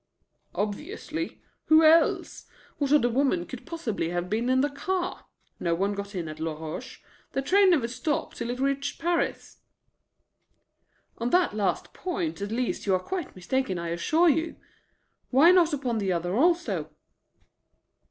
"Obviously. Who else? What other woman could possibly have been in the car? No one got in at Laroche; the train never stopped till it reached Paris." "On that last point at least you are quite mistaken, I assure you. Why not upon the other also?"